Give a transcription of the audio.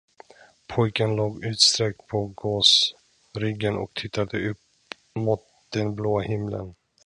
Pojken låg utsträckt på gåsryggen och tittade upp mot den blåa himlen.